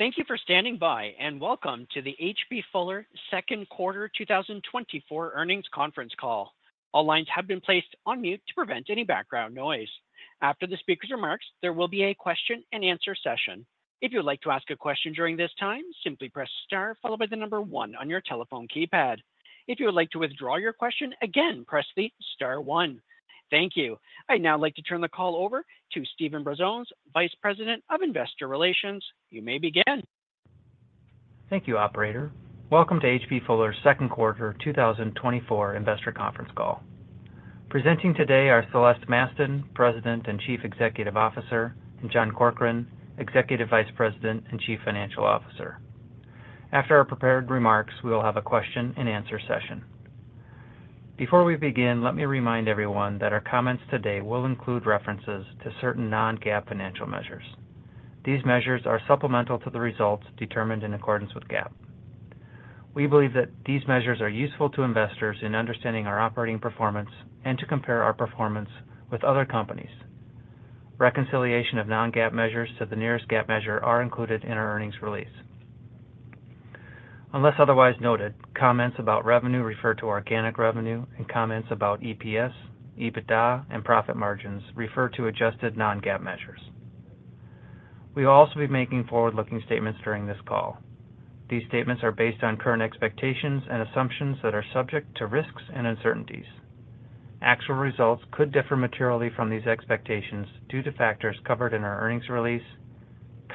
Thank you for standing by, and welcome to the H.B. Fuller Second Quarter 2024 Earnings Conference Call. All lines have been placed on mute to prevent any background noise. After the speaker's remarks, there will be a question-and-answer session. If you would like to ask a question during this time, simply press star followed by the number one on your telephone keypad. If you would like to withdraw your question, again, press the star one. Thank you. I'd now like to turn the call over to Steven Brazones, Vice President of Investor Relations. You may begin. Thank you, operator. Welcome to H.B. Fuller's Second Quarter 2024 Investor Conference Call. Presenting today are Celeste Mastin, President and Chief Executive Officer, and John Corkrean, Executive Vice President and Chief Financial Officer. After our prepared remarks, we will have a question-and-answer session. Before we begin, let me remind everyone that our comments today will include references to certain non-GAAP financial measures. These measures are supplemental to the results determined in accordance with GAAP. We believe that these measures are useful to investors in understanding our operating performance and to compare our performance with other companies. Reconciliation of non-GAAP measures to the nearest GAAP measure are included in our earnings release. Unless otherwise noted, comments about revenue refer to organic revenue, and comments about EPS, EBITDA, and profit margins refer to adjusted non-GAAP measures. We will also be making forward-looking statements during this call. These statements are based on current expectations and assumptions that are subject to risks and uncertainties. Actual results could differ materially from these expectations due to factors covered in our earnings release,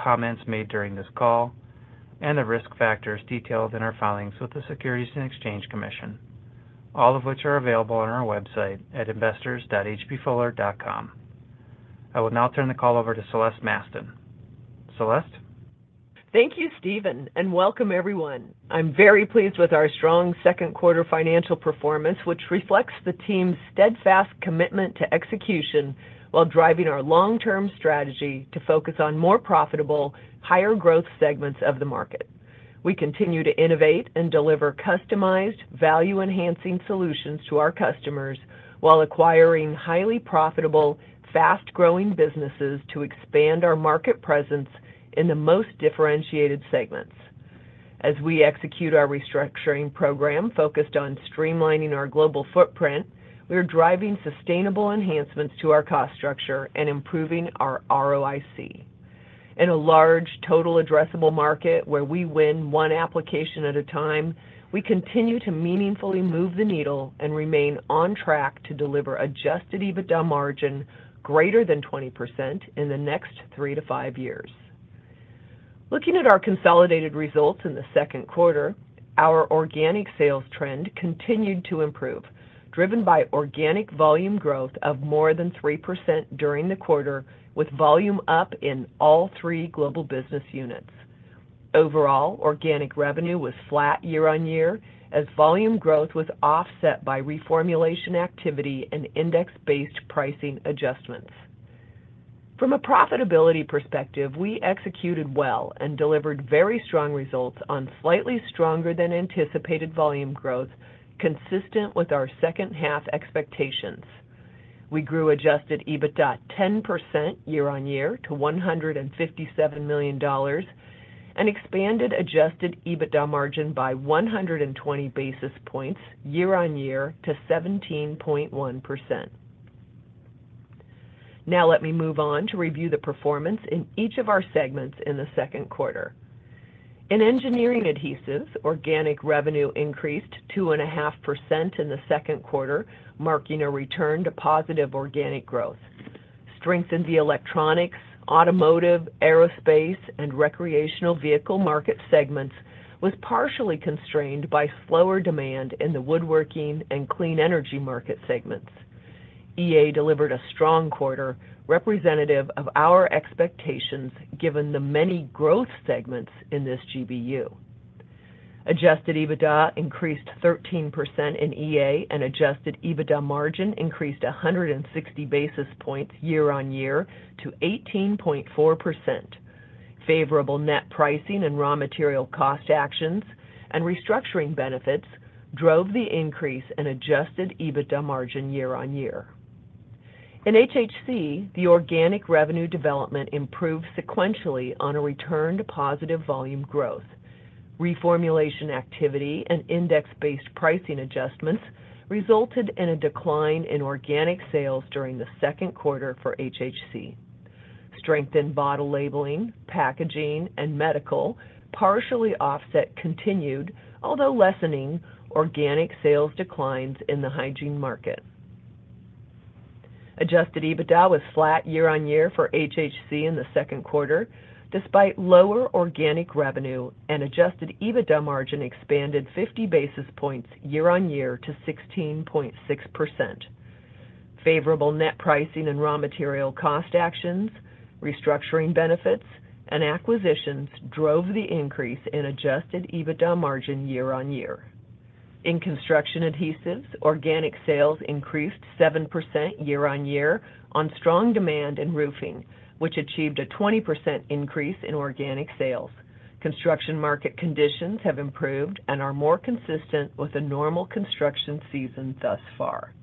comments made during this call, and the risk factors detailed in our filings with the Securities and Exchange Commission, all of which are available on our website at investors.hbfuller.com. I will now turn the call over to Celeste Mastin. Celeste? Thank you, Steven, and welcome everyone. I'm very pleased with our strong second quarter financial performance, which reflects the team's steadfast commitment to execution while driving our long-term strategy to focus on more profitable, higher growth segments of the market. We continue to innovate and deliver customized, value-enhancing solutions to our customers while acquiring highly profitable, fast-growing businesses to expand our market presence in the most differentiated segments. As we execute our restructuring program focused on streamlining our global footprint, we are driving sustainable enhancements to our cost structure and improving our ROIC. In a large total addressable market where we win one application at a time, we continue to meaningfully move the needle and remain on track to deliver adjusted EBITDA margin greater than 20% in the next three to five years. Looking at our consolidated results in the second quarter, our organic sales trend continued to improve, driven by organic volume growth of more than 3% during the quarter, with volume up in all three global business units. Overall, organic revenue was flat year-on-year, as volume growth was offset by reformulation activity and index-based pricing adjustments. From a profitability perspective, we executed well and delivered very strong results on slightly stronger than anticipated volume growth, consistent with our second half expectations. We grew adjusted EBITDA 10% year-on-year to $157 million and expanded adjusted EBITDA margin by 120 basis points year-on-year to 17.1%. Now, let me move on to review the performance in each of our segments in the second quarter. In Engineering Adhesives, organic revenue increased 2.5% in the second quarter, marking a return to positive organic growth. Strength in the electronics, automotive, aerospace, and recreational vehicle market segments was partially constrained by slower demand in the woodworking and clean energy market segments. EA delivered a strong quarter, representative of our expectations, given the many growth segments in this GBU. Adjusted EBITDA increased 13% in EA, and adjusted EBITDA margin increased 160 basis points year-on-year to 18.4%. Favorable net pricing and raw material cost actions and restructuring benefits drove the increase in adjusted EBITDA margin year-on-year. In HHC, the organic revenue development improved sequentially on a return to positive volume growth. Reformulation activity and index-based pricing adjustments resulted in a decline in organic sales during the second quarter for HHC. Strengthened bottle labeling, packaging, and medical partially offset continued, although lessening, organic sales declines in the hygiene market. Adjusted EBITDA was flat year-over-year for HHC in the second quarter, despite lower organic revenue and adjusted EBITDA margin expanded 50 basis points year-over-year to 16.6%. Favorable net pricing and raw material cost actions, restructuring benefits, and acquisitions drove the increase in adjusted EBITDA margin year-over-year. In construction adhesives, organic sales increased 7% year-over-year on strong demand in roofing, which achieved a 20% increase in organic sales. Construction market conditions have improved and are more consistent with a normal construction season thus far.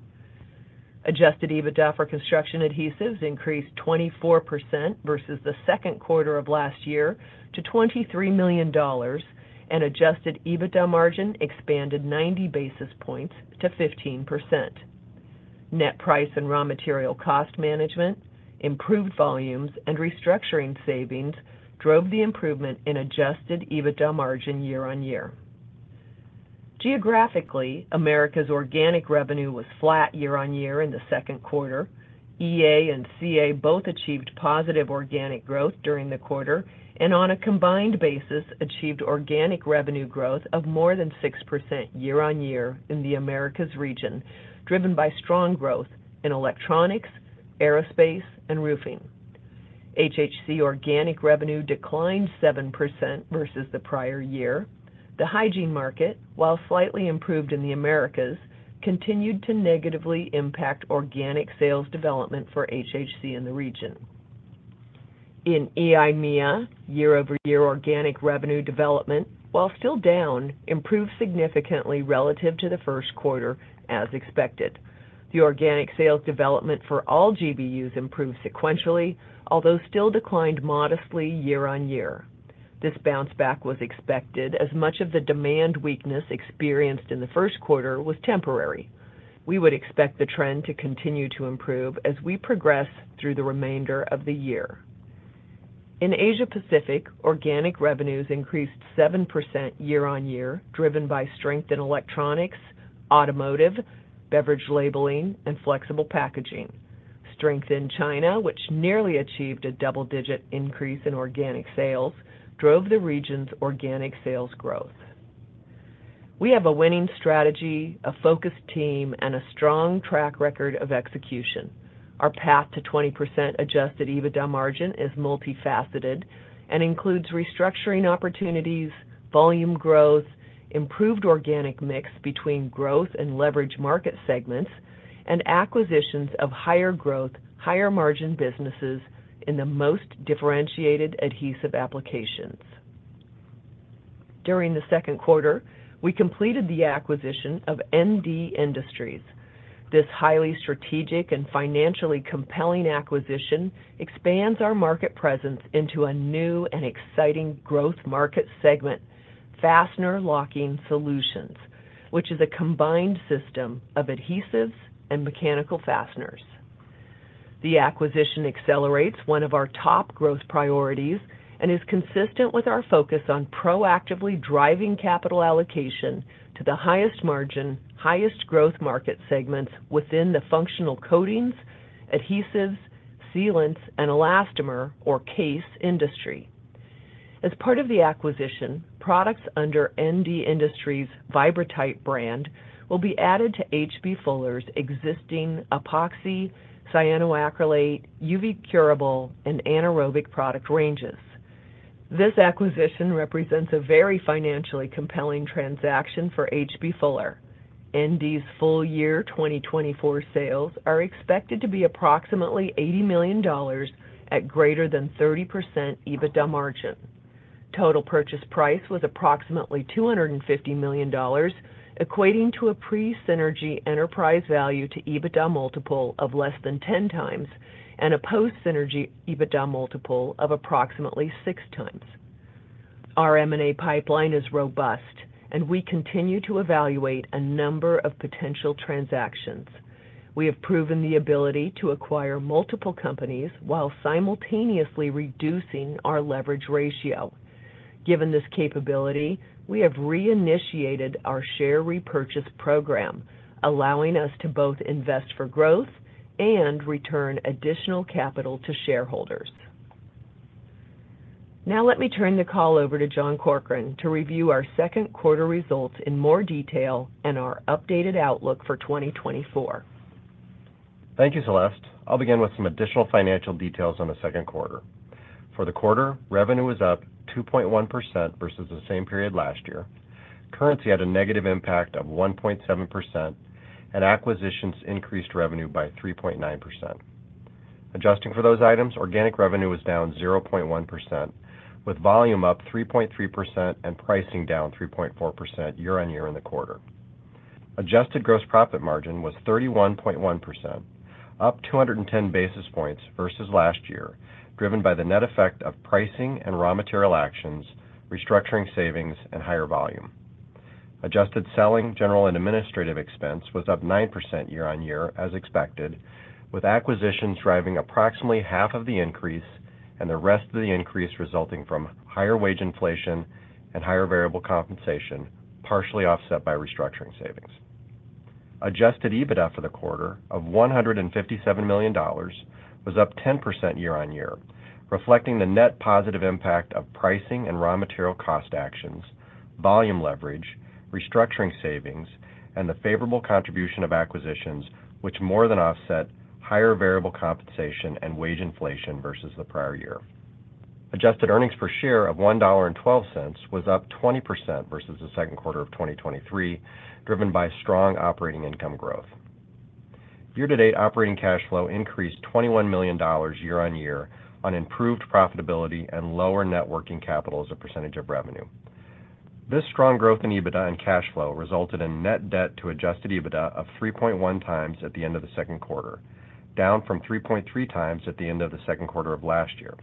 Adjusted EBITDA for Construction Adhesives increased 24% versus the second quarter of last year to $23 million, and adjusted EBITDA margin expanded 90 basis points to 15%. Net price and raw material cost management, improved volumes, and restructuring savings drove the improvement in adjusted EBITDA margin year-over-year. Geographically, Americas organic revenue was flat year-over-year in the second quarter. EA and CA both achieved positive organic growth during the quarter, and on a combined basis, achieved organic revenue growth of more than 6% year-over-year in the Americas region, driven by strong growth in electronics, aerospace, and roofing. HHC organic revenue declined 7% versus the prior year. The hygiene market, while slightly improved in the Americas, continued to negatively impact organic sales development for HHC in the region. In EIMEA, year-over-year organic revenue development, while still down, improved significantly relative to the first quarter, as expected. The organic sales development for all GBUs improved sequentially, although still declined modestly year-over-year. This bounce back was expected, as much of the demand weakness experienced in the first quarter was temporary. We would expect the trend to continue to improve as we progress through the remainder of the year. In Asia Pacific, organic revenues increased 7% year-on-year, driven by strength in electronics, automotive, beverage labeling, and flexible packaging. Strength in China, which nearly achieved a double-digit increase in organic sales, drove the region's organic sales growth. We have a winning strategy, a focused team, and a strong track record of execution. Our path to 20% adjusted EBITDA margin is multifaceted and includes restructuring opportunities, volume growth, improved organic mix between growth and leverage market segments, and acquisitions of higher growth, higher margin businesses in the most differentiated adhesive applications. During the second quarter, we completed the acquisition of ND Industries. This highly strategic and financially compelling acquisition expands our market presence into a new and exciting growth market segment, fastener locking solutions, which is a combined system of adhesives and mechanical fasteners. The acquisition accelerates one of our top growth priorities and is consistent with our focus on proactively driving capital allocation to the highest margin, highest growth market segments within the functional coatings, adhesives, sealants, and elastomer or CASE industry. As part of the acquisition, products under ND Industries' Vibra-Tite brand will be added to H.B. Fuller's existing epoxy, cyanoacrylate, UV-curable, and anaerobic product ranges. This acquisition represents a very financially compelling transaction for H.B. Fuller. ND's full year 2024 sales are expected to be approximately $80 million at greater than 30% EBITDA margin. Total purchase price was approximately $250 million, equating to a pre-synergy enterprise value to EBITDA multiple of less than 10 times and a post-synergy EBITDA multiple of approximately six times. Our M&A pipeline is robust, and we continue to evaluate a number of potential transactions. We have proven the ability to acquire multiple companies while simultaneously reducing our leverage ratio. Given this capability, we have reinitiated our share repurchase program, allowing us to both invest for growth and return additional capital to shareholders. Now let me turn the call over to John Corkrean to review our second quarter results in more detail and our updated outlook for 2024. Thank you, Celeste. I'll begin with some additional financial details on the second quarter. For the quarter, revenue was up 2.1% versus the same period last year. Currency had a negative impact of 1.7%, and acquisitions increased revenue by 3.9%. Adjusting for those items, organic revenue was down 0.1%, with volume up 3.3% and pricing down 3.4% year-on-year in the quarter. Adjusted gross profit margin was 31.1%, up 210 basis points versus last year, driven by the net effect of pricing and raw material actions, restructuring savings, and higher volume. Adjusted selling, general, and administrative expense was up 9% year-over-year, as expected, with acquisitions driving approximately half of the increase and the rest of the increase resulting from higher wage inflation and higher variable compensation, partially offset by restructuring savings. Adjusted EBITDA for the quarter of $157 million was up 10% year-over-year, reflecting the net positive impact of pricing and raw material cost actions, volume leverage, restructuring savings, and the favorable contribution of acquisitions, which more than offset higher variable compensation and wage inflation versus the prior year. Adjusted earnings per share of $1.12 was up 20% versus the second quarter of 2023, driven by strong operating income growth. Year-to-date, operating cash flow increased $21 million year-over-year on improved profitability and lower net working capital as a percentage of revenue. This strong growth in EBITDA and cash flow resulted in net debt to adjusted EBITDA of 3.1 times at the end of the second quarter, down from 3.3x at the end of the second quarter of last year.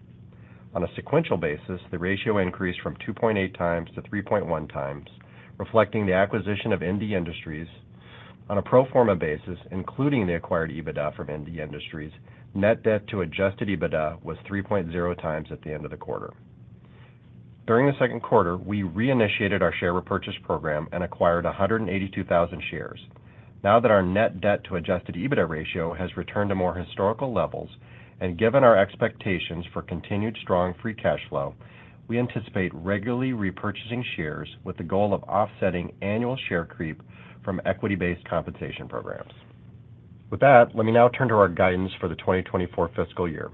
On a sequential basis, the ratio increased from 2.8x to 3.1x, reflecting the acquisition of ND Industries. On a pro forma basis, including the acquired EBITDA from ND Industries, net debt to adjusted EBITDA was 3.0 times at the end of the quarter. During the second quarter, we reinitiated our share repurchase program and acquired 182,000 shares. Now that our net debt to adjusted EBITDA ratio has returned to more historical levels and given our expectations for continued strong free cash flow, we anticipate regularly repurchasing shares with the goal of offsetting annual share creep from equity-based compensation programs. With that, let me now turn to our guidance for the 2024 fiscal year.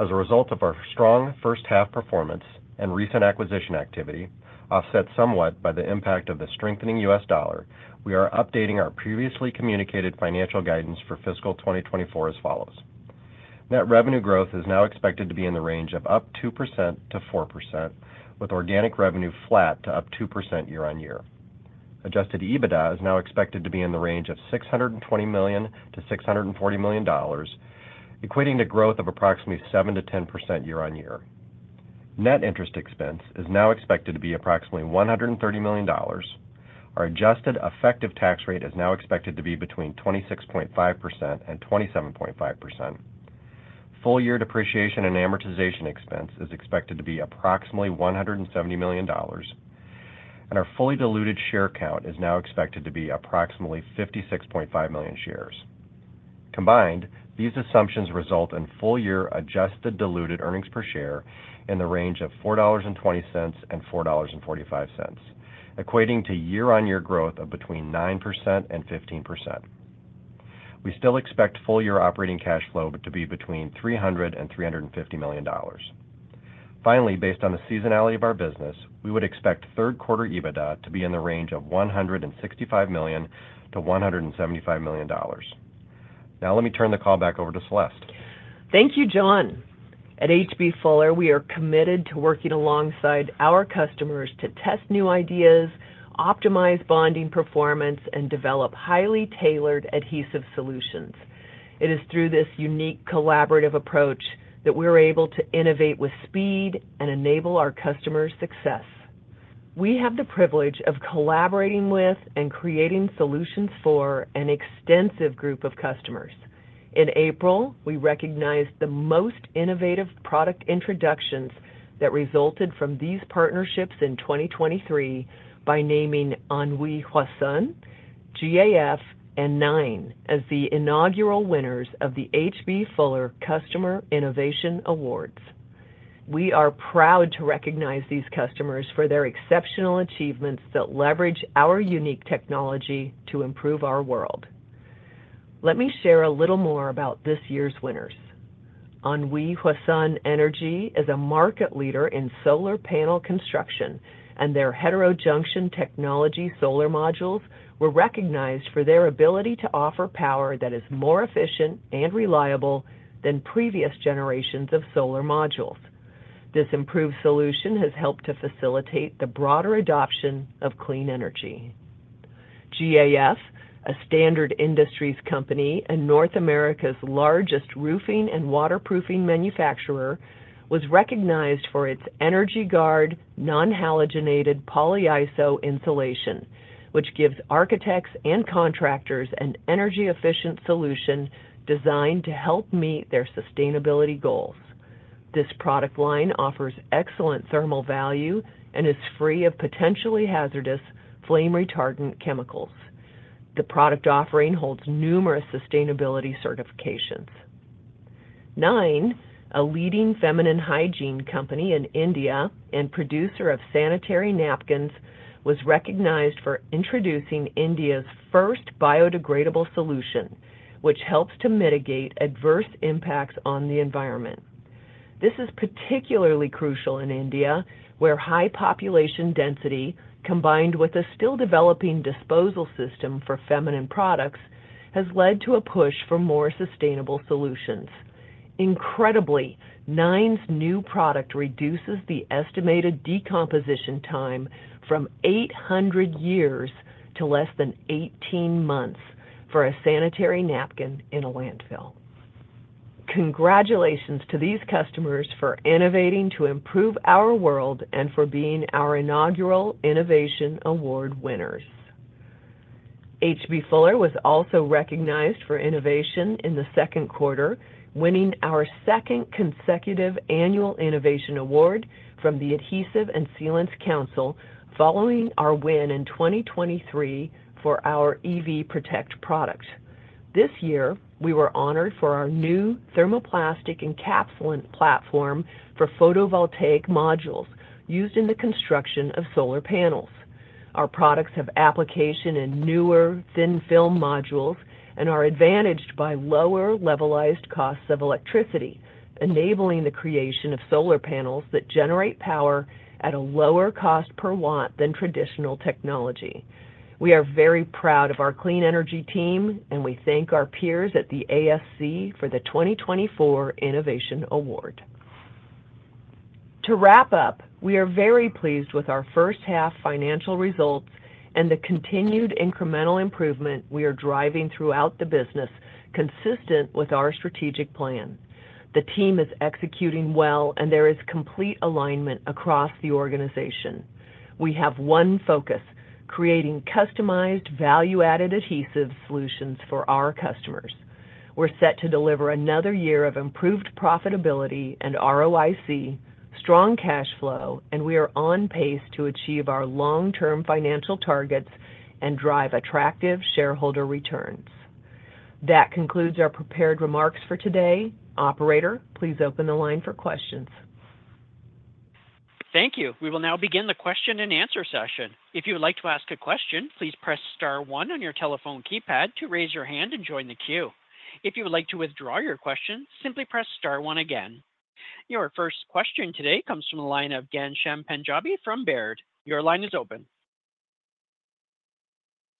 As a result of our strong first half performance and recent acquisition activity, offset somewhat by the impact of the strengthening U.S. dollar, we are updating our previously communicated financial guidance for fiscal 2024 as follows: Net revenue growth is now expected to be in the range of up 2%-4%, with organic revenue flat to up 2% year-on-year. Adjusted EBITDA is now expected to be in the range of $620 million-$640 million, equating to growth of approximately 7%-10% year-on-year. Net interest expense is now expected to be approximately $130 million. Our adjusted effective tax rate is now expected to be between 26.5% and 27.5%. Full year depreciation and amortization expense is expected to be approximately $170 million, and our fully diluted share count is now expected to be approximately 56.5 million shares. Combined, these assumptions result in full year adjusted diluted earnings per share in the range of $4.20-$4.45, equating to year-on-year growth of between 9% and 15%. We still expect full-year operating cash flow to be between $300 million and $350 million. Finally, based on the seasonality of our business, we would expect third quarter EBITDA to be in the range of $165 million-$175 million. Now, let me turn the call back over to Celeste. Thank you, John. At H.B. Fuller, we are committed to working alongside our customers to test new ideas, optimize bonding performance, and develop highly tailored adhesive solutions. It is through this unique collaborative approach that we're able to innovate with speed and enable our customers' success. We have the privilege of collaborating with and creating solutions for an extensive group of customers. In April, we recognized the most innovative product introductions that resulted from these partnerships in 2023 by naming Anhui Huasun, GAF, and Niine as the inaugural winners of the H.B. Fuller Customer Innovation Awards. We are proud to recognize these customers for their exceptional achievements that leverage our unique technology to improve our world. Let me share a little more about this year's winners. Anhui Huasun Energy is a market leader in solar panel construction, and their heterojunction technology solar modules were recognized for their ability to offer power that is more efficient and reliable than previous generations of solar modules. This improved solution has helped to facilitate the broader adoption of clean energy. GAF, a Standard Industries company and North America's largest roofing and waterproofing manufacturer, was recognized for its EnergyGuard Non-Halogenated Polyiso insulation, which gives architects and contractors an energy-efficient solution designed to help meet their sustainability goals. This product line offers excellent thermal value and is free of potentially hazardous flame-retardant chemicals. The product offering holds numerous sustainability certifications. Niine, a leading feminine hygiene company in India and producer of sanitary napkins, was recognized for introducing India's first biodegradable solution, which helps to mitigate adverse impacts on the environment. This is particularly crucial in India, where high population density, combined with a still-developing disposal system for feminine products, has led to a push for more sustainable solutions. Incredibly, Niine's new product reduces the estimated decomposition time from 800 years to less than 18 months for a sanitary napkin in a landfill. Congratulations to these customers for innovating to improve our world and for being our inaugural Innovation Award winners. H.B. Fuller was also recognized for innovation in the second quarter, winning our second consecutive Annual Innovation Award from the Adhesive and Sealant Council, following our win in 2023 for our EV Protect product. This year, we were honored for our new thermoplastic encapsulant platform for photovoltaic modules used in the construction of solar panels. Our products have application in newer thin-film modules and are advantaged by lower levelized costs of electricity, enabling the creation of solar panels that generate power at a lower cost per watt than traditional technology. We are very proud of our clean energy team, and we thank our peers at the ASC for the 2024 Innovation Award.... To wrap up, we are very pleased with our first half financial results and the continued incremental improvement we are driving throughout the business, consistent with our strategic plan. The team is executing well, and there is complete alignment across the organization. We have one focus: creating customized, value-added adhesive solutions for our customers. We're set to deliver another year of improved profitability and ROIC, strong cash flow, and we are on pace to achieve our long-term financial targets and drive attractive shareholder returns. That concludes our prepared remarks for today. Operator, please open the line for questions. Thank you. We will now begin the question and answer session. If you would like to ask a question, please press star one on your telephone keypad to raise your hand and join the queue. If you would like to withdraw your question, simply press star one again. Your first question today comes from the line of Ghansham Panjabi from Baird. Your line is open.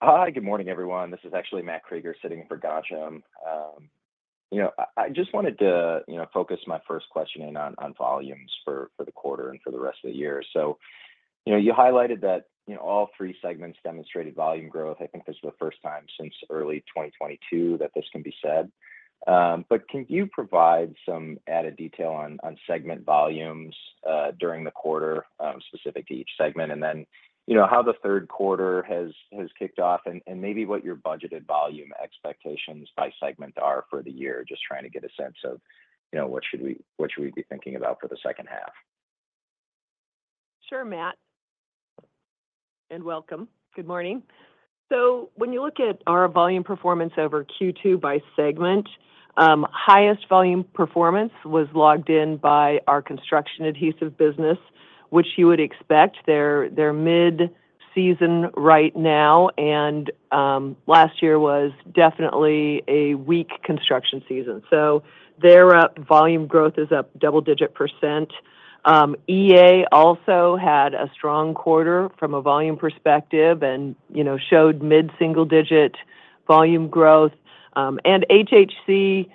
Hi, good morning, everyone. This is actually Matt Krueger sitting in for Ghansham. You know, I just wanted to focus my first question in on volumes for the quarter and for the rest of the year. So, you know, you highlighted that all three segments demonstrated volume growth. I think this is the first time since early 2022 that this can be said. But can you provide some added detail on segment volumes during the quarter specific to each segment? And then, you know, how the third quarter has kicked off, and maybe what your budgeted volume expectations by segment are for the year? Just trying to get a sense of what should we be thinking about for the second half. Sure, Matt, and welcome. Good morning. So when you look at our volume performance over Q2 by segment, highest volume performance was logged in by our construction adhesive business, which you would expect. They're, they're mid-season right now, and last year was definitely a weak construction season. So they're up, volume growth is up double-digit percent. EA also had a strong quarter from a volume perspective and, you know, showed mid-single-digit volume growth. And HHC,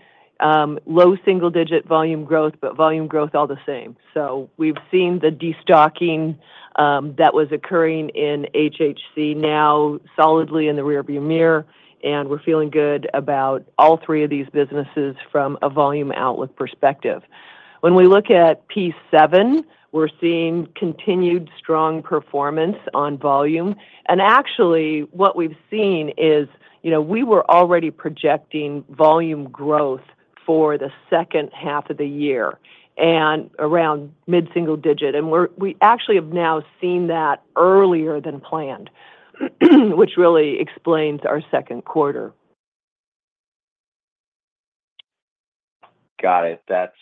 low single-digit volume growth, but volume growth all the same. So we've seen the destocking that was occurring in HHC now solidly in the rear view mirror, and we're feeling good about all three of these businesses from a volume outlook perspective. When we look at P7, we're seeing continued strong performance on volume. And actually, what we've seen is, you know, we were already projecting volume growth for the second half of the year and around mid-single digit, and we actually have now seen that earlier than planned, which really explains our second quarter. Got it. That's,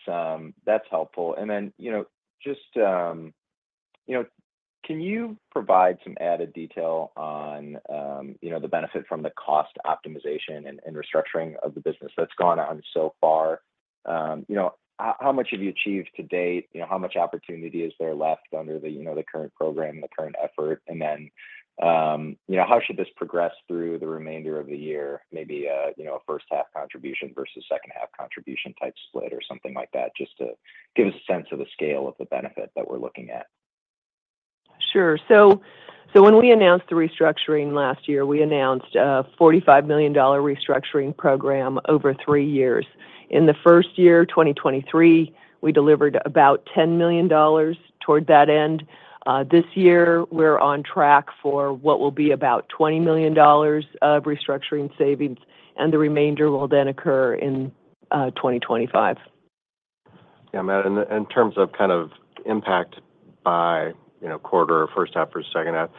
that's helpful. And then, you know, just, you know, can you provide some added detail on, you know, the benefit from the cost optimization and, and restructuring of the business that's gone on so far? You know, how, how much have you achieved to date? You know, how much opportunity is there left under the, you know, the current program, the current effort? And then, you know, how should this progress through the remainder of the year? Maybe a, you know, a first-half contribution versus second-half contribution type split or something like that, just to give us a sense of the scale of the benefit that we're looking at. Sure. So, so when we announced the restructuring last year, we announced a $45 million restructuring program over three years. In the first year, 2023, we delivered about $10 million toward that end. This year, we're on track for what will be about $20 million of restructuring savings, and the remainder will then occur in 2025. Yeah, Matt, in terms of kind of impact by, you know, quarter or first half or second half,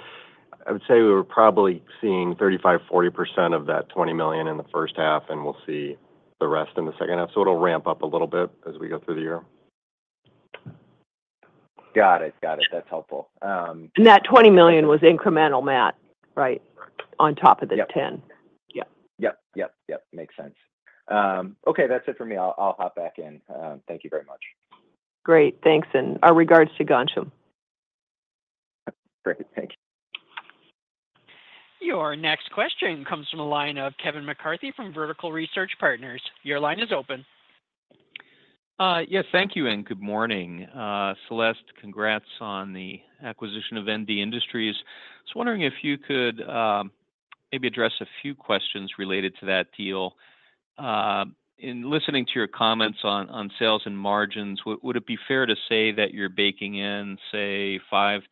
I would say we're probably seeing 35%-40% of that $20 million in the first half, and we'll see the rest in the second half. So it'll ramp up a little bit as we go through the year. Got it. Got it. That's helpful. And that $20 million was incremental, Matt, right? On top of the- Yep... 10. Yep. Yep, yep, yep. Makes sense. Okay, that's it for me. I'll, I'll hop back in. Thank you very much. Great. Thanks, and our regards to Ghansham. Great. Thank you. Your next question comes from the line of Kevin McCarthy from Vertical Research Partners. Your line is open. Yes, thank you, and good morning. Celeste, congrats on the acquisition of ND Industries. Just wondering if you could maybe address a few questions related to that deal. In listening to your comments on sales and margins, would it be fair to say that you're baking in, say, $5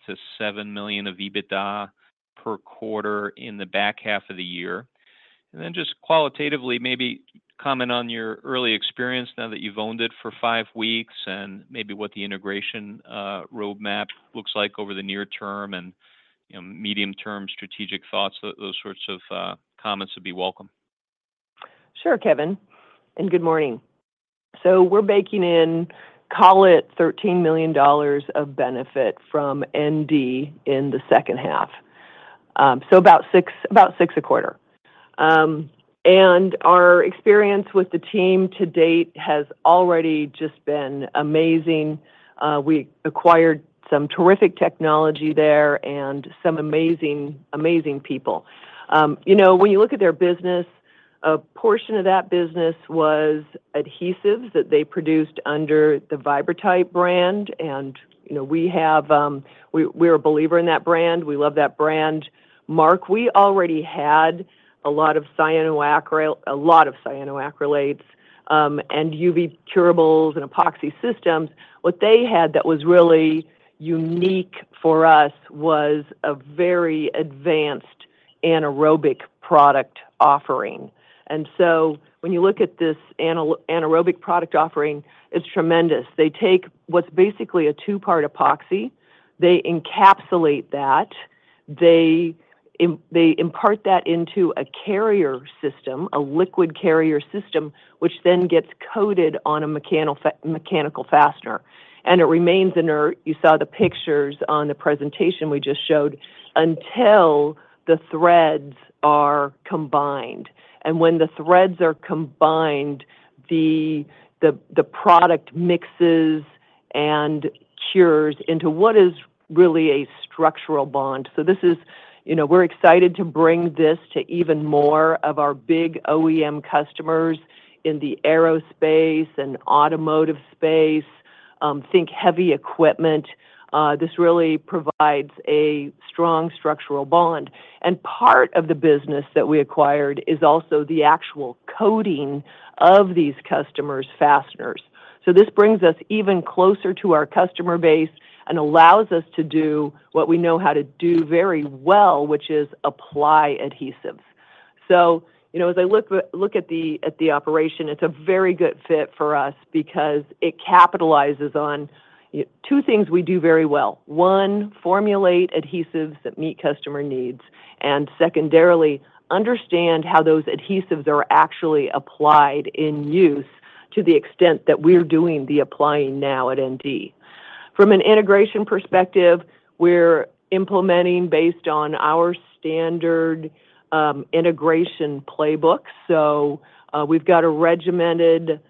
million-$7 million of EBITDA per quarter in the back half of the year? And then just qualitatively, maybe comment on your early experience now that you've owned it for five weeks, and maybe what the integration roadmap looks like over the near term and, you know, medium-term strategic thoughts. Those sorts of comments would be welcome. Sure, Kevin, and good morning. So we're baking in, call it $13 million of benefit from ND in the second half. So about $6 million a quarter. And our experience with the team to date has already just been amazing. We acquired some terrific technology there and some amazing, amazing people. You know, when you look at their business, a portion of that business was adhesives that they produced under the Vibra-Tite brand. And, you know, we have, we're a believer in that brand. We love that brand. Mark, we already had a lot of cyanoacrylates, and UV curables and epoxy systems. What they had that was really unique for us was a very advanced anaerobic product offering. And so when you look at this anaerobic product offering, it's tremendous. They take what's basically a two-part epoxy, they encapsulate that, they impart that into a carrier system, a liquid carrier system, which then gets coated on a mechanical fastener. And it remains in there, you saw the pictures on the presentation we just showed, until the threads are combined. And when the threads are combined, the product mixes and cures into what is really a structural bond. So this is... You know, we're excited to bring this to even more of our big OEM customers in the aerospace and automotive space. Think heavy equipment. This really provides a strong structural bond. And part of the business that we acquired is also the actual coating of these customers' fasteners. So this brings us even closer to our customer base and allows us to do what we know how to do very well, which is apply adhesives. So, you know, as I look at the operation, it's a very good fit for us because it capitalizes on two things we do very well. One, formulate adhesives that meet customer needs, and secondarily, understand how those adhesives are actually applied in use to the extent that we're doing the applying now at ND. From an integration perspective, we're implementing based on our standard integration playbook. So we've got a regimented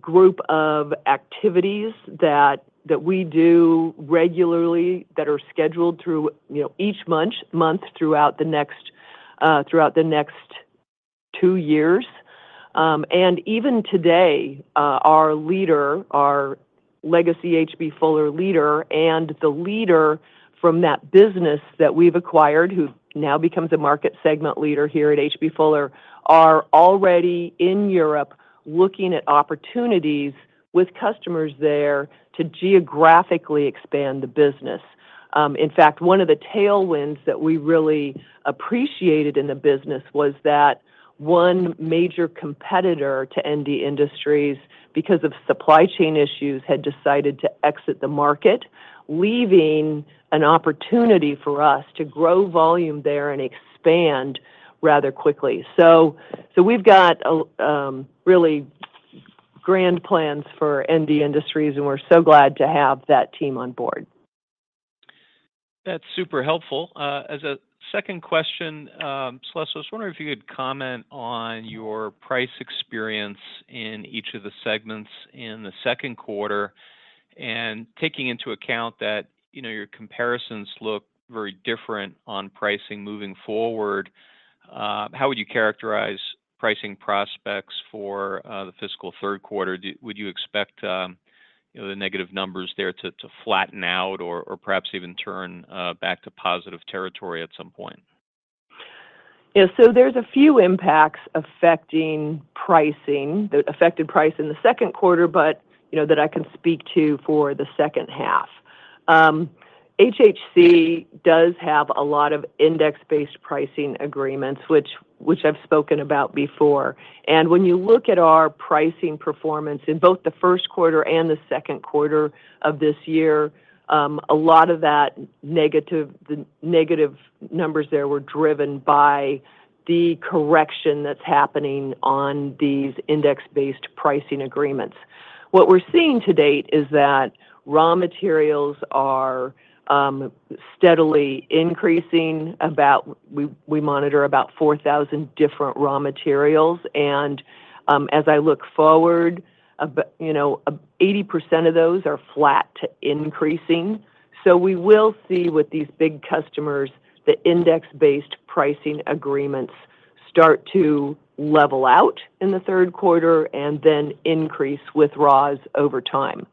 group of activities that we do regularly, that are scheduled through, you know, each month throughout the next two years. And even today, our leader, our legacy H.B. Fuller leader, and the leader from that business that we've acquired, who now becomes a market segment leader here at H.B. Fuller, are already in Europe looking at opportunities with customers there to geographically expand the business. In fact, one of the tailwinds that we really appreciated in the business was that one major competitor to ND Industries, because of supply chain issues, had decided to exit the market, leaving an opportunity for us to grow volume there and expand rather quickly. So we've got a really grand plans for ND Industries, and we're so glad to have that team on board. That's super helpful. As a second question, Celeste, I was wondering if you could comment on your price experience in each of the segments in the second quarter. And taking into account that, you know, your comparisons look very different on pricing moving forward, how would you characterize pricing prospects for the fiscal third quarter? Do you... Would you expect, you know, the negative numbers there to flatten out or perhaps even turn back to positive territory at some point? Yeah, so there's a few impacts affecting pricing, that affected price in the second quarter, but, you know, that I can speak to for the second half. HHC does have a lot of index-based pricing agreements, which I've spoken about before. And when you look at our pricing performance in both the first quarter and the second quarter of this year, a lot of that negative, the negative numbers there were driven by the correction that's happening on these index-based pricing agreements. What we're seeing to date is that raw materials are steadily increasing. We monitor about 4,000 different raw materials. And as I look forward, about, you know, 80% of those are flat to increasing. So we will see with these big customers, the index-based pricing agreements start to level out in the third quarter and then increase with rise over time.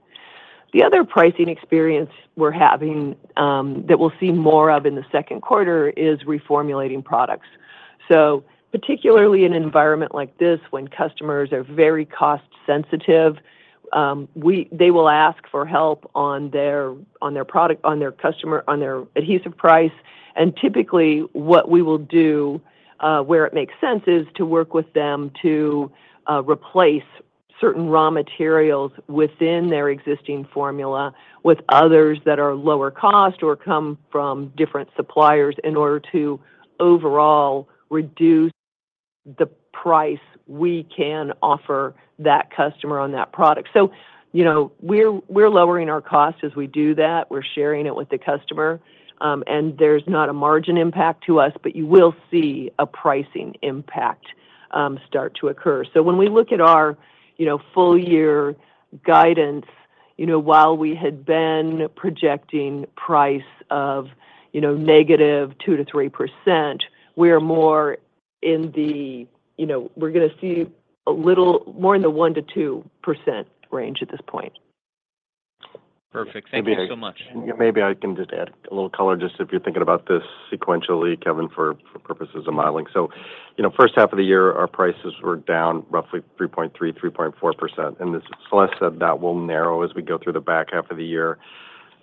The other pricing experience we're having, that we'll see more of in the second quarter is reformulating products. So particularly in an environment like this, when customers are very cost sensitive, they will ask for help on their, on their product, on their customer, on their adhesive price. And typically, what we will do, where it makes sense, is to work with them to replace certain raw materials within their existing formula with others that are lower cost or come from different suppliers, in order to overall reduce the price we can offer that customer on that product. So, you know, we're lowering our costs as we do that. We're sharing it with the customer, and there's not a margin impact to us, but you will see a pricing impact start to occur. So when we look at our, you know, full year guidance, you know, while we had been projecting price of, you know, -2% to -3%, we are more in the, you know, we're gonna see a little more in the 1%-2% range at this point. Perfect. Thank you so much. Maybe I can just add a little color, just if you're thinking about this sequentially, Kevin, for, for purposes of modeling. So, you know, first half of the year, our prices were down roughly 3.3%-3.4%, and as Celeste said, that will narrow as we go through the back half of the year,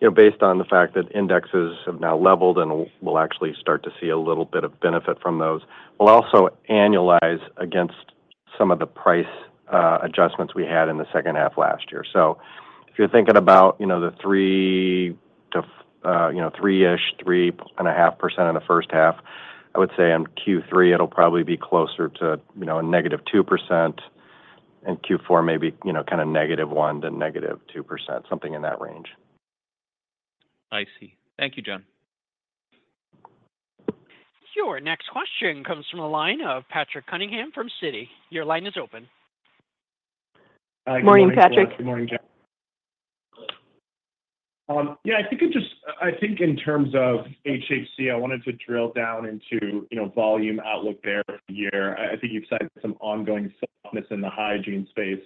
you know, based on the fact that indexes have now leveled, and we'll, we'll actually start to see a little bit of benefit from those. We'll also annualize against some of the price adjustments we had in the second half last year. So if you're thinking about, you know, the 3 to, you know, 3-ish, 3.5% in the first half, I would say in Q3, it'll probably be closer to, you know, a -2%. In Q4, maybe, you know, kind of -1% to -2%, something in that range. I see. Thank you, John. Your next question comes from the line of Patrick Cunningham from Citi. Your line is open. Morning, Patrick. Good morning, John. Yeah, I think it just-- I think in terms of HHC, I wanted to drill down into, you know, volume outlook there for the year. I, I think you've cited some ongoing softness in the hygiene space.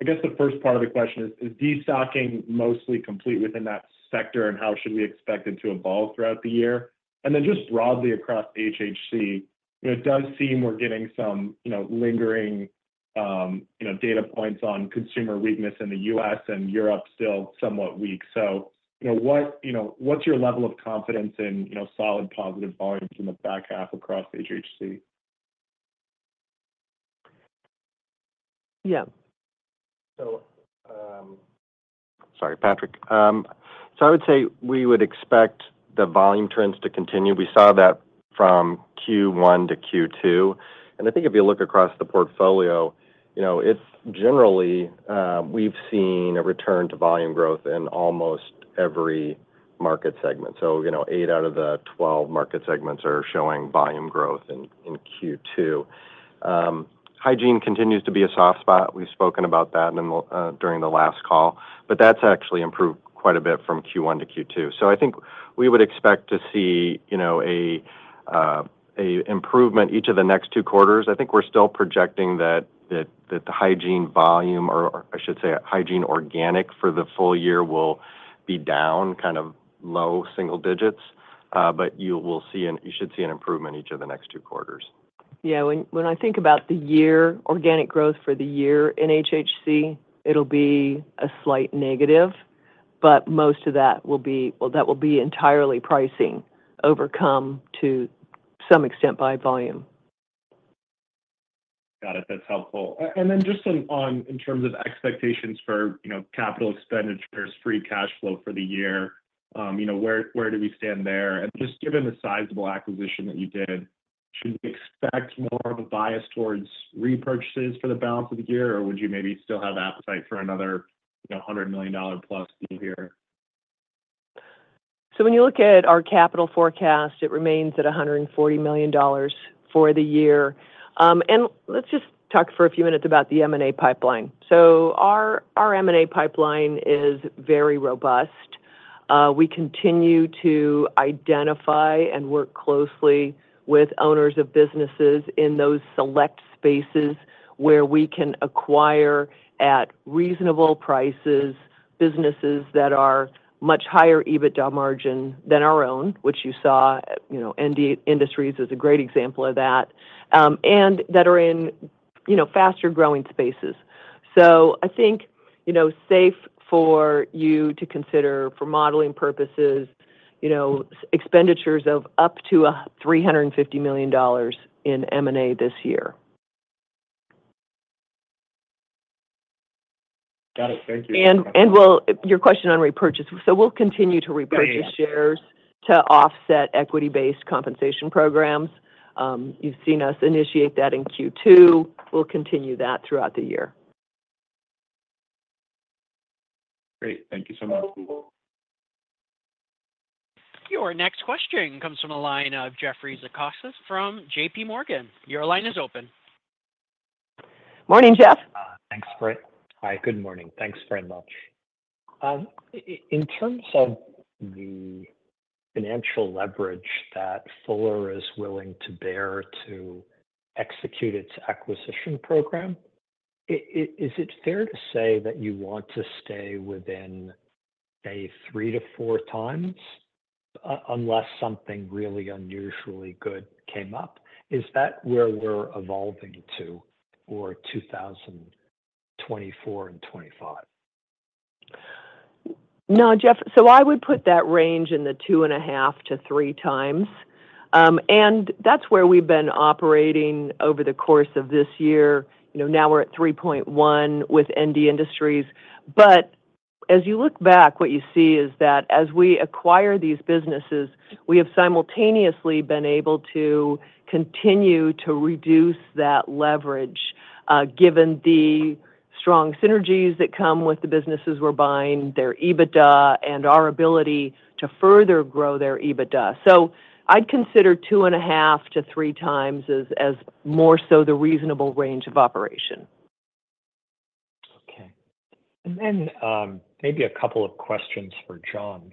I guess the first part of the question is, is destocking mostly complete within that sector, and how should we expect it to evolve throughout the year? And then just broadly across HHC, it does seem we're getting some, you know, lingering, you know, data points on consumer weakness in the U.S. and Europe still somewhat weak. So you know what-- You know, what's your level of confidence in, you know, solid positive volumes in the back half across HHC? Yeah. Sorry, Patrick. So I would say we would expect the volume trends to continue. We saw that from Q1 to Q2, and I think if you look across the portfolio, you know, it's generally, we've seen a return to volume growth in almost every market segment. So, you know, eight out of the 12 market segments are showing volume growth in Q2. Hygiene continues to be a soft spot. We've spoken about that in the, during the last call, but that's actually improved quite a bit from Q1 to Q2. So I think we would expect to see, you know, an improvement each of the next two quarters. I think we're still projecting that the hygiene volume, or I should say, hygiene organic for the full year will be down kind of low single digits. But you will see you should see an improvement each of the next two quarters. Yeah, when I think about the year, organic growth for the year in HHC, it'll be a slight negative, but most of that will be. Well, that will be entirely pricing overcome to some extent by volume. Got it. That's helpful. And then just on in terms of expectations for, you know, capital expenditures, free cash flow for the year, you know, where do we stand there? And just given the sizable acquisition that you did, should we expect more of a bias towards repurchases for the balance of the year, or would you maybe still have appetite for another, you know, $100 million plus deal here? So when you look at our capital forecast, it remains at $140 million for the year. And let's just talk for a few minutes about the M&A pipeline. So our M&A pipeline is very robust. We continue to identify and work closely with owners of businesses in those select spaces, where we can acquire at reasonable prices, businesses that are much higher EBITDA margin than our own, which you saw. You know, ND Industries is a great example of that, and that are in, you know, faster-growing spaces. So I think, you know, safe for you to consider for modeling purposes, you know, expenditures of up to $350 million in M&A this year. Got it. Thank you. Well, your question on repurchase. So we'll continue to repurchase- Great... shares to offset equity-based compensation programs. You've seen us initiate that in Q2. We'll continue that throughout the year. Great. Thank you so much. Your next question comes from a line of Jeffrey Zekauskas from J.P. Morgan. Your line is open. Morning, Jeff. Thanks, great. Hi, good morning. Thanks very much. In terms of the financial leverage that Fuller is willing to bear to execute its acquisition program, is it fair to say that you want to stay within a three to four times unless something really unusually good came up? Is that where we're evolving to for 2024 and 2025? No, Jeff. So I would put that range in the 2.5x-3x. And that's where we've been operating over the course of this year. You know, now we're at 3.1 with ND Industries. But as you look back, what you see is that as we acquire these businesses, we have simultaneously been able to continue to reduce that leverage, given the strong synergies that come with the businesses we're buying, their EBITDA, and our ability to further grow their EBITDA. So I'd consider 2.5x-3x as more so the reasonable range of operation. Okay. And then, maybe a couple of questions for John.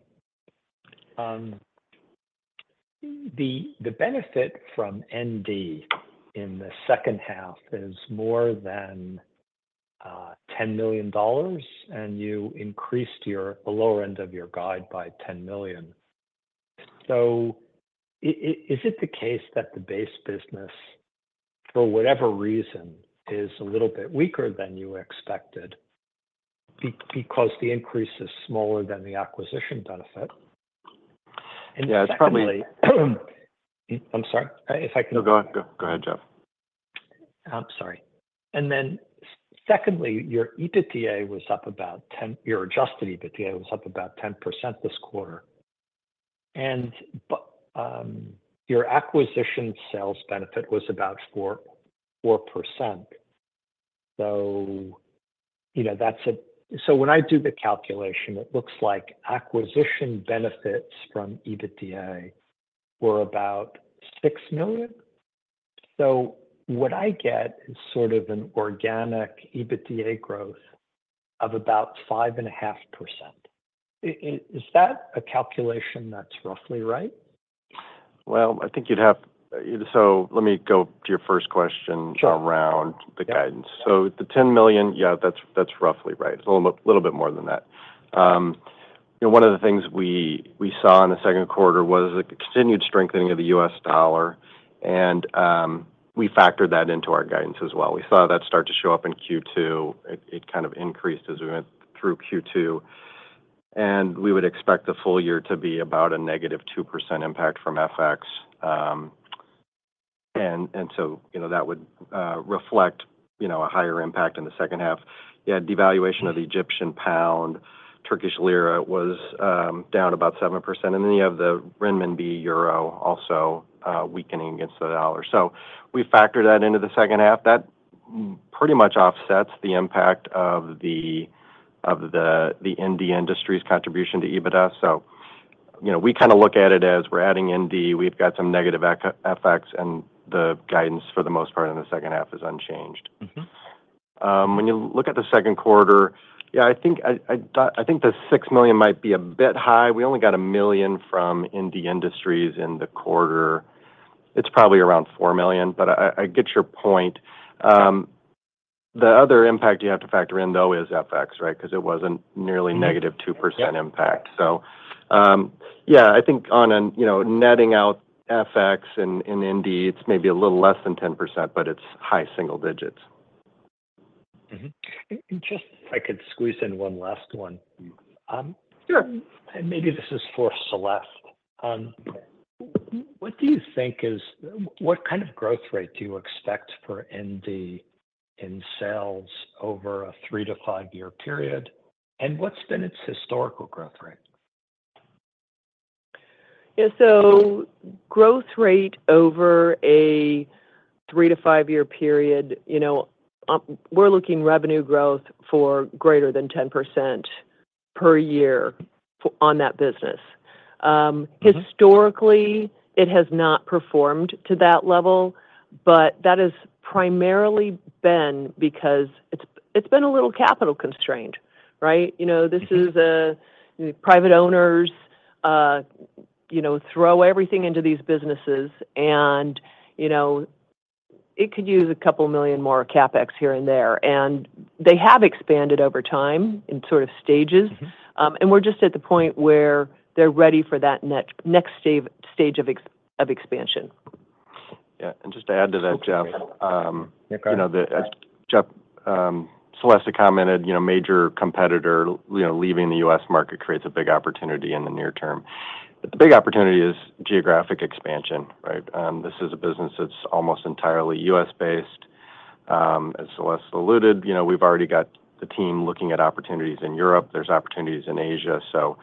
The benefit from ND in the second half is more than $10 million, and you increased the lower end of your guide by $10 million. So is it the case that the base business, for whatever reason, is a little bit weaker than you expected because the increase is smaller than the acquisition benefit? Yeah, it's probably- Secondly... I'm sorry, if I can- No, go ahead. Go, go ahead, Jeff. I'm sorry. Then secondly, your EBITDA was up about 10%... Your adjusted EBITDA was up about 10% this quarter, and but, your acquisition sales benefit was about four, 4%. So, you know, that's a... So when I do the calculation, it looks like acquisition benefits from EBITDA were about $6 million. So what I get is sort of an organic EBITDA growth of about 5.5%. Is that a calculation that's roughly right? Well, I think you'd have... So let me go to your first question- Sure... around the guidance. So the $10 million, yeah, that's roughly right. It's a little bit more than that. You know, one of the things we saw in the second quarter was a continued strengthening of the US dollar, and we factored that into our guidance as well. We saw that start to show up in Q2. It kind of increased as we went through Q2, and we would expect the full year to be about a -2% impact from FX. So, you know, that would reflect, you know, a higher impact in the second half. You had devaluation of the Egyptian pound. Turkish lira was down about 7%, and then you have the renminbi/euro also weakening against the dollar. So we factored that into the second half. That pretty much offsets the impact of the ND Industries contribution to EBITDA. So, you know, we kind of look at it as we're adding ND, we've got some negative FX, and the guidance, for the most part, in the second half is unchanged. Mm-hmm. When you look at the second quarter, yeah, I think the $6 million might be a bit high. We only got $1 million from ND Industries in the quarter. It's probably around $4 million, but I get your point. Yeah. The other impact you have to factor in, though, is FX, right? Because it wasn't nearly -2% impact. Mm-hmm. Yep. So, yeah, I think on an, you know, netting out FX and, and ND, it's maybe a little less than 10%, but it's high single digits. Mm-hmm. And just if I could squeeze in one last one, Sure. Maybe this is for Celeste. What kind of growth rate do you expect for ND in sales over a 3-5 year period, and what's been its historical growth rate? Yeah, so growth rate over a 3-5 year period, you know, we're looking revenue growth for greater than 10% per year on that business. Mm-hmm. Historically, it has not performed to that level, but that has primarily been because it's, it's been a little capital constrained, right? You know- Mm-hmm... this is, private owners, you know, throw everything into these businesses, and, you know, it could use $2 million more CapEx here and there. They have expanded over time in sort of stages- Mm-hmm... and we're just at the point where they're ready for that next stage of expansion. Yeah, and just to add to that, Jeff, Yeah, go ahead. You know, Jeff, Celeste had commented, you know, a major competitor, you know, leaving the U.S. market creates a big opportunity in the near term. But the big opportunity is geographic expansion, right? This is a business that's almost entirely U.S.-based. As Celeste alluded, you know, we've already got the team looking at opportunities in Europe. There's opportunities in Asia. So,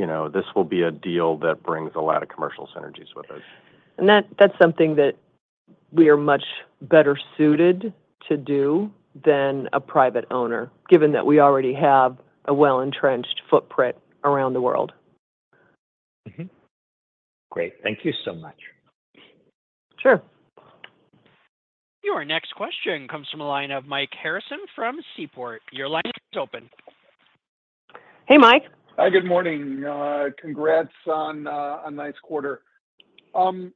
you know, this will be a deal that brings a lot of commercial synergies with it. That, that's something that we are much better suited to do than a private owner, given that we already have a well-entrenched footprint around the world. Mm-hmm. Great. Thank you so much. Sure. Your next question comes from the line of Mike Harrison from Seaport. Your line is open. Hey, Mike. Hi, good morning. Congrats on a nice quarter. Was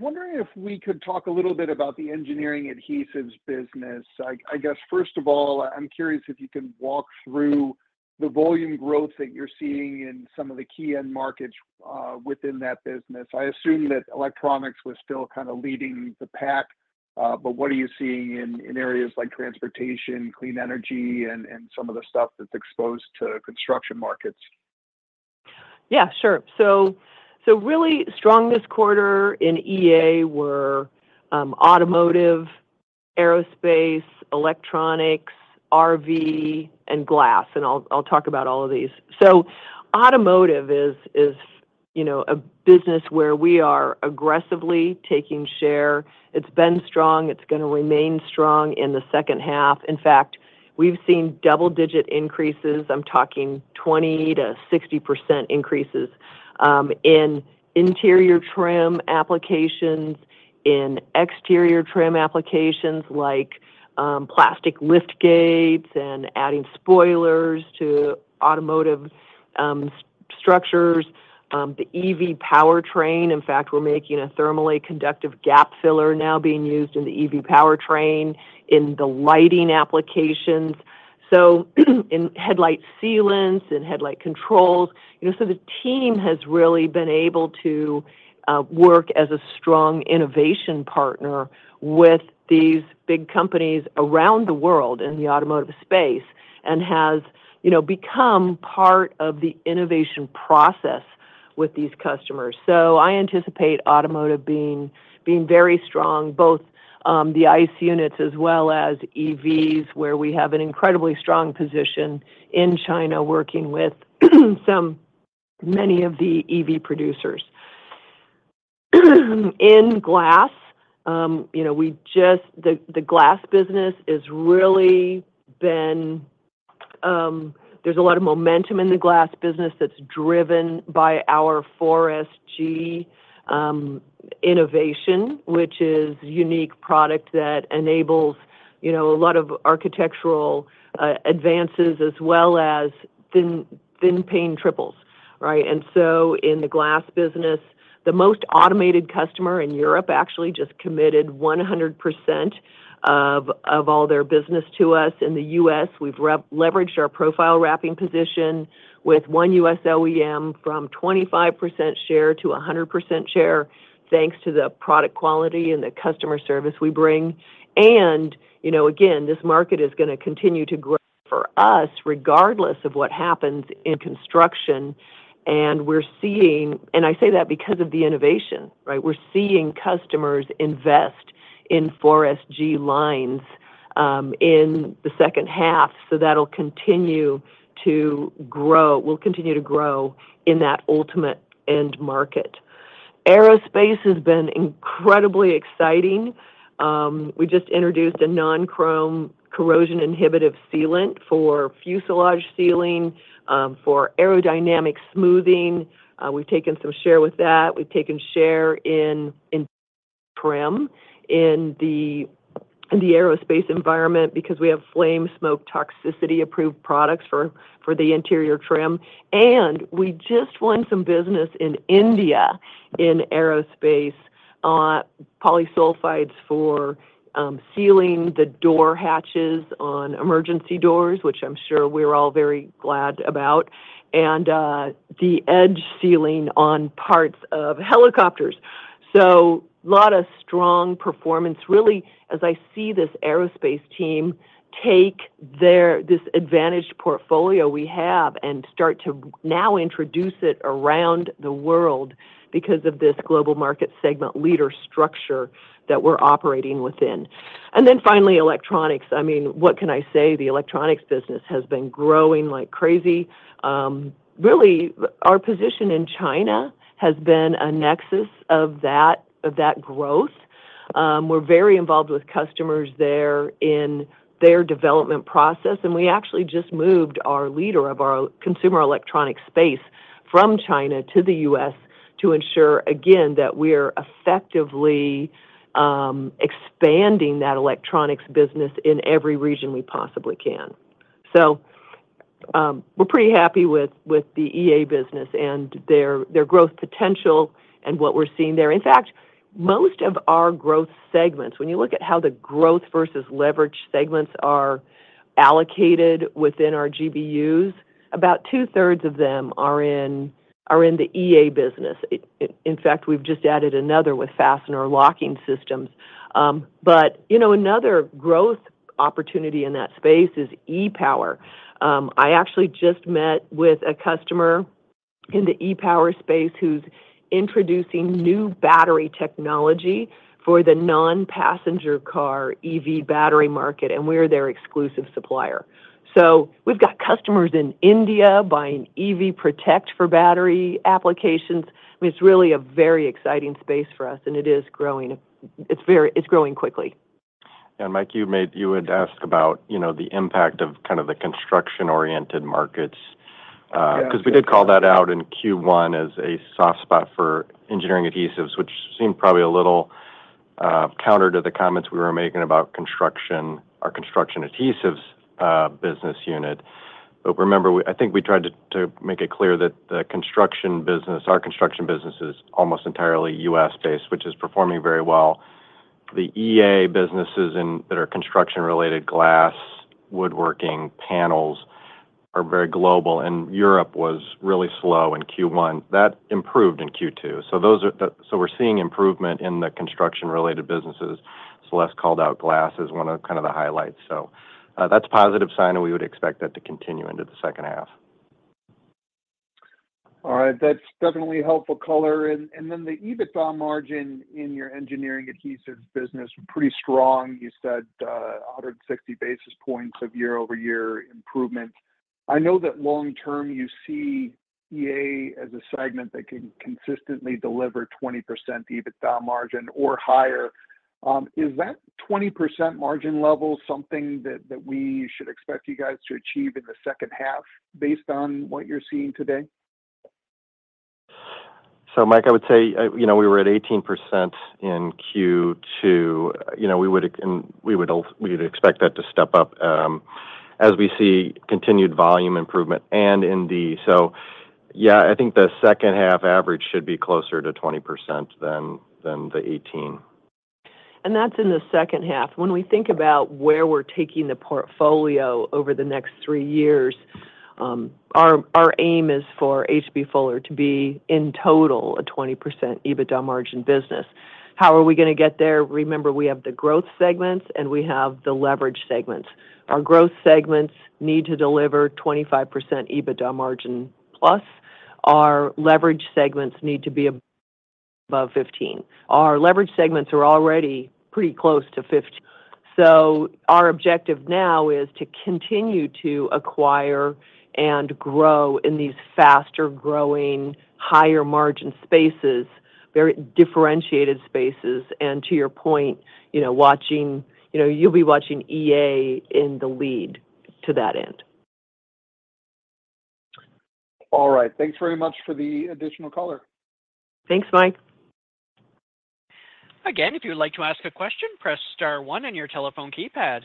wondering if we could talk a little bit about the Engineering Adhesives business. I guess, first of all, I'm curious if you can walk through the volume growth that you're seeing in some of the key end markets within that business. I assume that electronics was still kind of leading the pack, but what are you seeing in areas like transportation, clean energy, and some of the stuff that's exposed to construction markets? Yeah, sure. So really strong this quarter in EA were automotive, aerospace, electronics, RV, and glass, and I'll talk about all of these. So automotive is you know a business where we are aggressively taking share. It's been strong. It's gonna remain strong in the second half. In fact, we've seen double-digit increases. I'm talking 20%-60% increases in interior trim applications, in exterior trim applications, like plastic lift gates and adding spoilers to automotive structures, the EV powertrain. In fact, we're making a thermally conductive gap filler now being used in the EV powertrain, in the lighting applications, so in headlight sealants and headlight controls. You know, so the team has really been able to work as a strong innovation partner with these big companies around the world in the automotive space, and has, you know, become part of the innovation process with these customers. So I anticipate automotive being very strong, both the ICE units as well as EVs, where we have an incredibly strong position in China, working with many of the EV producers. In glass, you know, the glass business is really been. There's a lot of momentum in the glass business that's driven by our 4SG innovation, which is a unique product that enables, you know, a lot of architectural advances, as well as thin pane triples, right? In the glass business, the most automated customer in Europe actually just committed 100% of all their business to us. In the U.S., we've leveraged our profile wrapping position with one U.S. OEM from 25% share to 100% share, thanks to the product quality and the customer service we bring. You know, again, this market is gonna continue to grow for us, regardless of what happens in construction, and we're seeing. And I say that because of the innovation, right? We're seeing customers invest in 4SG lines in the second half, so that'll continue to grow. We'll continue to grow in that ultimate end market. Aerospace has been incredibly exciting. We just introduced a non-chrome corrosion-inhibitive sealant for fuselage sealing for aerodynamic smoothing. We've taken some share with that. We've taken share in trim in the aerospace environment because we have flame, smoke, toxicity-approved products for the interior trim. And we just won some business in India, in aerospace, polysulfides for sealing the door hatches on emergency doors, which I'm sure we're all very glad about, and the edge sealing on parts of helicopters. So a lot of strong performance, really, as I see this aerospace team take this advantage portfolio we have and start to now introduce it around the world because of this global market segment leader structure that we're operating within. And then finally, electronics. I mean, what can I say? The electronics business has been growing like crazy. Really, our position in China has been a nexus of that growth. We're very involved with customers there in their development process, and we actually just moved our leader of our consumer electronic space from China to the US to ensure, again, that we're effectively expanding that electronics business in every region we possibly can. So, we're pretty happy with the EA business and their growth potential and what we're seeing there. In fact, most of our growth segments, when you look at how the growth versus leverage segments are allocated within our GBUs, about two-thirds of them are in the EA business. In fact, we've just added another with fastener locking systems. But, you know, another growth opportunity in that space is E-Power. I actually just met with a customer in the E-Power space who's introducing new battery technology for the non-passenger car EV battery market, and we're their exclusive supplier. So we've got customers in India buying EV Protect for battery applications. I mean, it's really a very exciting space for us, and it is growing. It's growing quickly. Mike, you had asked about, you know, the impact of kind of the construction-oriented markets. Yeah. because we did call that out in Q1 as a soft spot for Engineering Adhesives, which seemed probably a little counter to the comments we were making about construction, our construction adhesives business unit. But remember, I think we tried to make it clear that the construction business, our construction business, is almost entirely U.S.-based, which is performing very well. The EA businesses in that are construction related, glass, woodworking, panels, are very global, and Europe was really slow in Q1. That improved in Q2. So those are the. So we're seeing improvement in the construction-related businesses. Celeste called out glass as one of kind of the highlights. So that's a positive sign, and we would expect that to continue into the second half. All right. That's definitely helpful color. And then the EBITDA margin in your Engineering Adhesives business, pretty strong. You said 160 basis points of year-over-year improvement. ... I know that long term, you see EA as a segment that can consistently deliver 20% EBITDA margin or higher. Is that 20% margin level something that, that we should expect you guys to achieve in the second half based on what you're seeing today? So Mike, I would say, you know, we were at 18% in Q2. You know, we would expect that to step up as we see continued volume improvement and ND. So yeah, I think the second half average should be closer to 20% than the 18. That's in the second half. When we think about where we're taking the portfolio over the next three years, our aim is for H.B. Fuller to be, in total, a 20% EBITDA margin business. How are we gonna get there? Remember, we have the growth segments, and we have the leverage segments. Our growth segments need to deliver 25% EBITDA margin, plus our leverage segments need to be above 15. Our leverage segments are already pretty close to 15, so our objective now is to continue to acquire and grow in these faster-growing, higher-margin spaces, very differentiated spaces. And to your point, you know, watching... You know, you'll be watching EA in the lead to that end. All right. Thanks very much for the additional color. Thanks, Mike. Again, if you would like to ask a question, press star one on your telephone keypad.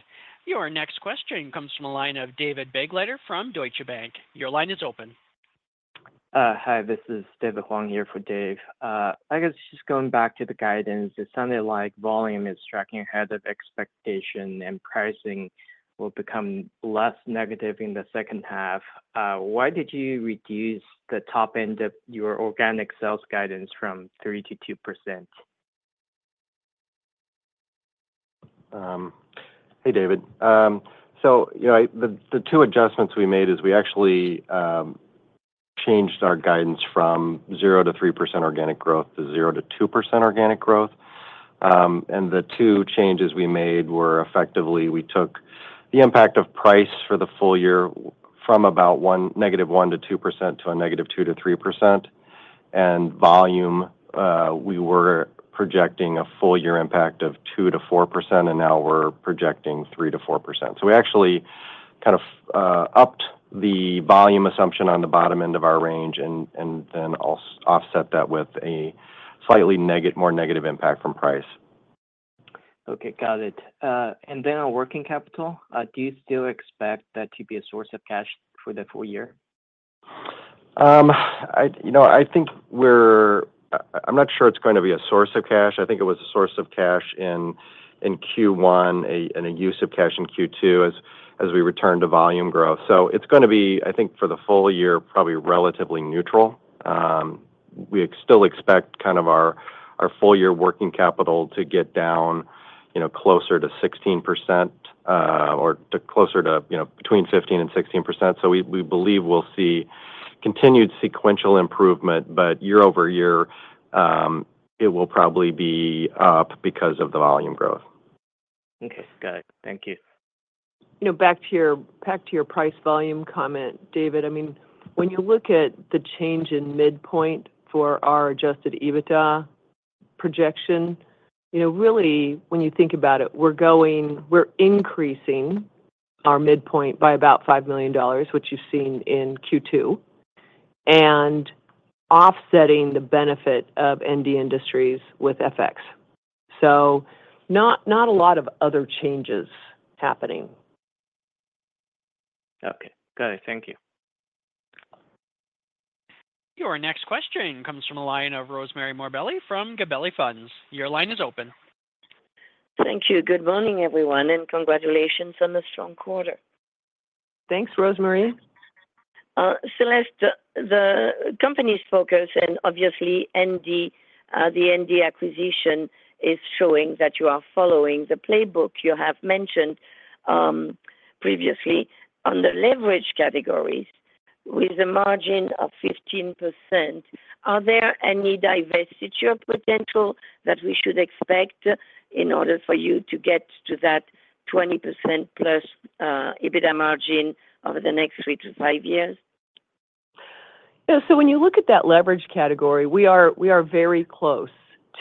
Your next question comes from the line of David Begleiter from Deutsche Bank. Your line is open. Hi, this is David Huang in for Dave. I guess just going back to the guidance, it sounded like volume is tracking ahead of expectation, and pricing will become less negative in the second half. Why did you reduce the top end of your organic sales guidance from 3%-2%? Hey, David. So, you know, the two adjustments we made is we actually changed our guidance from 0%-3% organic growth to 0%-2% organic growth. And the two changes we made were effectively, we took the impact of price for the full year from about -1% to 2% to -2% to 3%. And volume, we were projecting a full year impact of 2%-4%, and now we're projecting 3%-4%. So we actually kind of upped the volume assumption on the bottom end of our range and then offset that with a slightly more negative impact from price. Okay, got it. And then on working capital, do you still expect that to be a source of cash for the full year? You know, I think we're... I'm not sure it's going to be a source of cash. I think it was a source of cash in Q1, and a use of cash in Q2 as we return to volume growth. So it's gonna be, I think, for the full year, probably relatively neutral. We still expect kind of our full year working capital to get down, you know, closer to 16%, or to closer to, you know, between 15% and 16%. So we believe we'll see continued sequential improvement, but year-over-year, it will probably be up because of the volume growth. Okay, got it. Thank you. You know, back to your, back to your price volume comment, David. I mean, when you look at the change in midpoint for our adjusted EBITDA projection, you know, really, when you think about it, we're going, we're increasing our midpoint by about $5 million, which you've seen in Q2, and offsetting the benefit of ND Industries with FX. So not, not a lot of other changes happening. Okay, got it. Thank you. Your next question comes from the line of Rosemarie Morbelli from Gabelli Funds. Your line is open. Thank you. Good morning, everyone, and congratulations on the strong quarter. Thanks, Rosemarie. Celeste, the company's focus and obviously ND, the ND acquisition is showing that you are following the playbook you have mentioned previously. On the leverage categories, with a margin of 15%, are there any divestiture potential that we should expect in order for you to get to that 20%+ EBITDA margin over the next three to five years? Yeah, so when you look at that leverage category, we are, we are very close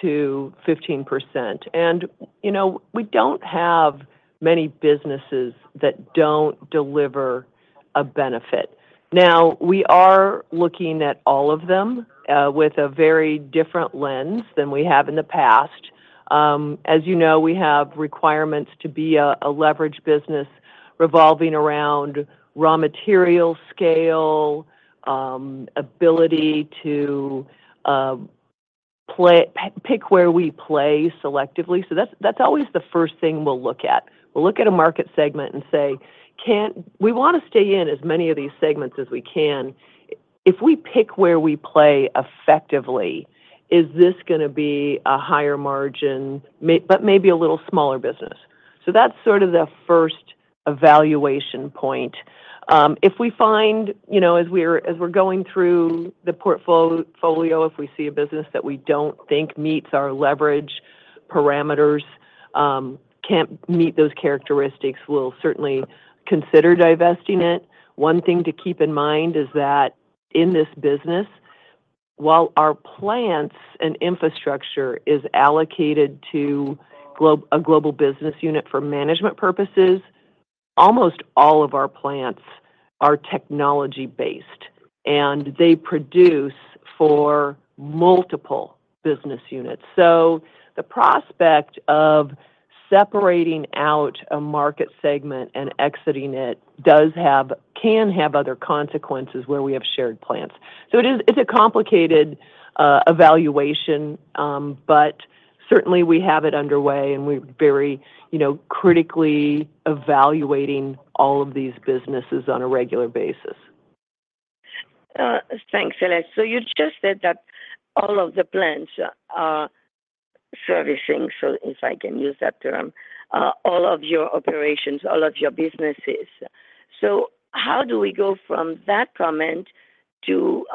to 15%, and, you know, we don't have many businesses that don't deliver a benefit. Now, we are looking at all of them with a very different lens than we have in the past. As you know, we have requirements to be a leverage business revolving around raw material scale, ability to pick where we play selectively. So that's, that's always the first thing we'll look at. We'll look at a market segment and say, "Can... We wanna stay in as many of these segments as we can. If we pick where we play effectively, is this gonna be a higher margin, but maybe a little smaller business?" So that's sort of the first evaluation point. If we find, you know, as we're going through the portfolio, if we see a business that we don't think meets our leverage parameters, can't meet those characteristics, we'll certainly consider divesting it. One thing to keep in mind is that in this business, while our plants and infrastructure is allocated to a global business unit for management purposes, almost all of our plants are technology-based, and they produce for multiple business units. So the prospect of separating out a market segment and exiting it can have other consequences where we have shared plants. So it is, it's a complicated evaluation, but certainly we have it underway, and we're very, you know, critically evaluating all of these businesses on a regular basis. Thanks, Celeste. So you just said that all of the plants are servicing, so if I can use that term, all of your operations, all of your businesses. So how do we go from that comment to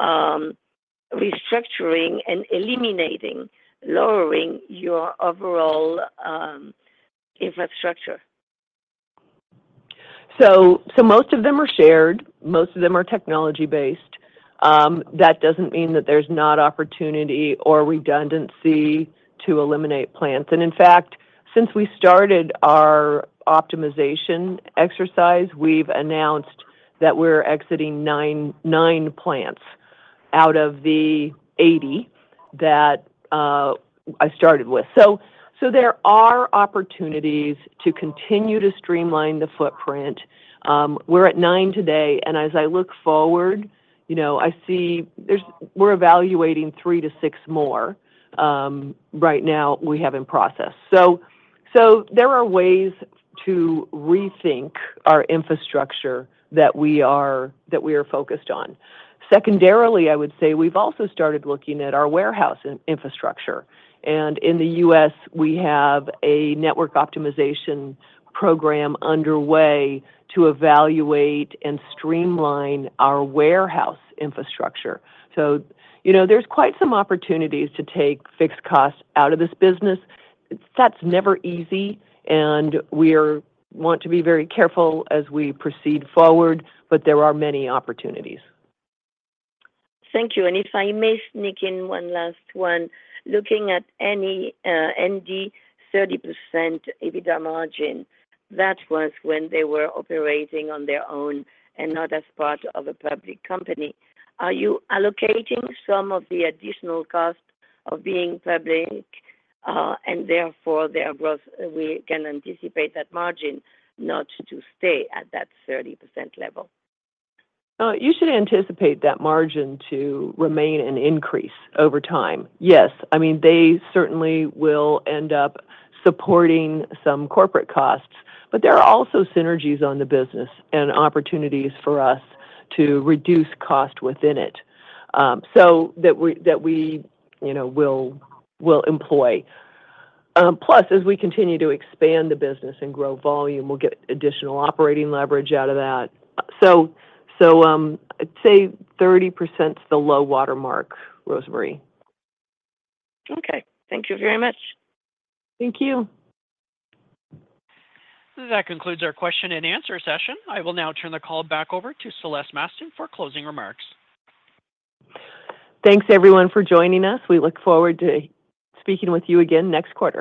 restructuring and eliminating, lowering your overall infrastructure? So, so most of them are shared, most of them are technology-based. That doesn't mean that there's not opportunity or redundancy to eliminate plants. And in fact, since we started our optimization exercise, we've announced that we're exiting nine, nine plants out of the 80 that, I started with. So, so there are opportunities to continue to streamline the footprint. We're at nine today, and as I look forward, you know, I see there's... We're evaluating three to six more, right now we have in process. So, so there are ways to rethink our infrastructure that we are, that we are focused on. Secondarily, I would say we've also started looking at our warehouse infrastructure, and in the U.S., we have a network optimization program underway to evaluate and streamline our warehouse infrastructure. So, you know, there's quite some opportunities to take fixed costs out of this business. That's never easy, and we want to be very careful as we proceed forward, but there are many opportunities. Thank you. And if I may sneak in one last one. Looking at any, ND 30% EBITDA margin, that was when they were operating on their own and not as part of a public company. Are you allocating some of the additional costs of being public, and therefore, their growth, we can anticipate that margin not to stay at that 30% level? You should anticipate that margin to remain and increase over time. Yes. I mean, they certainly will end up supporting some corporate costs, but there are also synergies on the business and opportunities for us to reduce cost within it, so that we, you know, will employ. Plus, as we continue to expand the business and grow volume, we'll get additional operating leverage out of that. So, I'd say 30%'s the low watermark, Rosemarie. Okay. Thank you very much. Thank you. That concludes our question and answer session. I will now turn the call back over to Celeste Mastin for closing remarks. Thanks, everyone, for joining us. We look forward to speaking with you again next quarter.